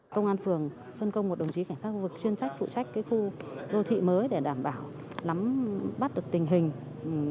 công an phường dân công một đồng chí cảnh sát khu vực chuyên trách phụ trách cái khu lô thị mới để đảm bảo bắt được tình hình